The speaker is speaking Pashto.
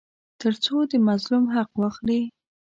تر څو د مظلوم حق واخلي.